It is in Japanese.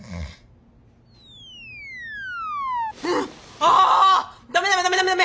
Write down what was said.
あダメダメダメダメダメ。